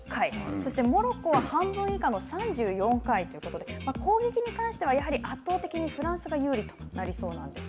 そしてモロッコは半分以下の３４回ということで攻撃に関しては、やはり圧倒的にフランスが有利となりそうなんです。